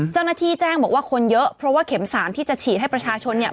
เจ้าหน้าที่แจ้งบอกว่าคนเยอะเพราะว่าเข็มสามที่จะฉีดให้ประชาชนเนี่ย